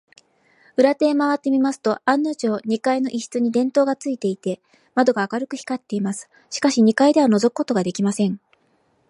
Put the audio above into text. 裏手へまわってみますと、案のじょう、二階の一室に電燈がついていて、窓が明るく光っています。しかし、二階ではのぞくことができません。